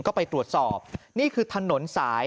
ก็ไปตรวจสอบนี่คือถนนสาย